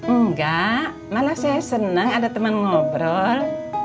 enggak mana saya senang ada teman ngobrol